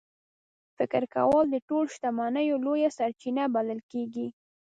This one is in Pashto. فکر کول د ټولو شتمنیو لویه سرچینه بلل کېږي.